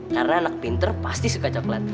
karena anak pinter pasti suka coklat